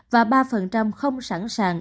và ba không sẵn sàng